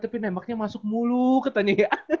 tapi nembaknya masuk mulu katanya ya